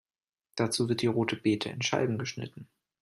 Dazu wird die rote Bete in Scheiben geschnitten.